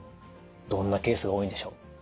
どんなケースが多いんでしょう？